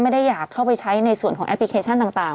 อยากเข้าไปใช้ในส่วนของแอปพลิเคชันต่าง